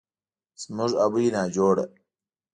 زموږ ابۍ ناجوړه